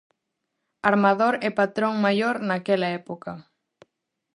Armador e patrón maior naquela época.